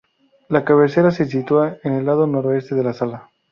La cabecera se sitúa en el lado noroeste de la sala.